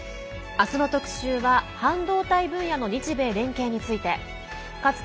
明日の特集は半導体分野の日米連携について。